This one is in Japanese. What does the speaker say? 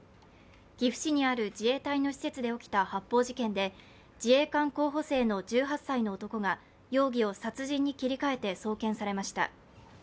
岐阜市にある自衛隊の施設で起きた発砲事件で自衛官候補生の１８歳の男が容疑を殺人に切り替えて送検されました。